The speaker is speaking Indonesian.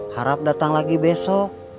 harap datang lagi besok